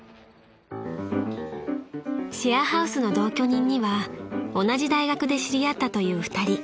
［シェアハウスの同居人には同じ大学で知り合ったという２人］